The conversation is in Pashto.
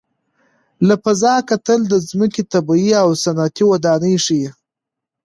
له فضا کتل د ځمکې طبیعي او صنعتي ودانۍ ښيي.